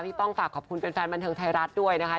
ต้องฝากขอบคุณแฟนบันเทิงไทยรัฐด้วยนะคะ